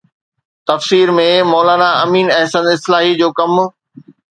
تفسير ۾ مولا نا امين احسن اصلاحي جو ڪم